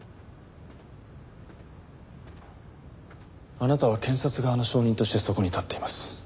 あなたは検察側の証人としてそこに立っています。